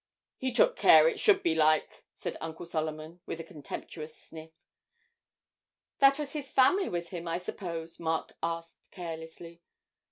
'He took care it should be like,' said Uncle Solomon, with a contemptuous sniff. 'That was his family with him, I suppose?' Mark asked carelessly.